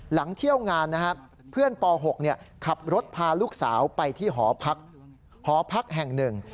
หลังเที่ยวงานนะครับเพื่อนป๖ขับรถพาลูกสาวไปที่หอพักหอพักแห่งหนึ่ง